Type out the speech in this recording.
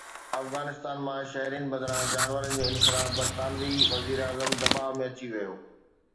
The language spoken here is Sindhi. افغانستان مان شهرين بدران جانورن جو انخلاء، برطانوي وزيراعظم دٻاءُ ۾ اچي ويو